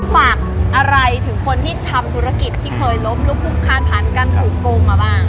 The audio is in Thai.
ฝากอะไรถึงคนที่ทำธุรกิจที่เคยล้มลุกคุกคานผ่านการถูกโกงมาบ้าง